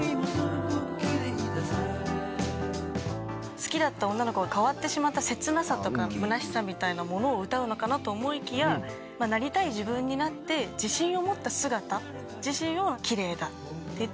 好きだった女の子が変わってしまった切なさとかむなしさみたいなものを歌うのかなと思いきやなりたい自分になって自信を持った姿自信をキレイだっていって。